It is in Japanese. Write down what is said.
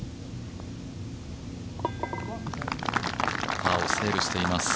パーをセーブしています。